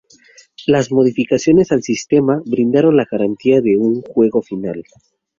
Las modificaciones al sistema brindaron la garantía de un juego final.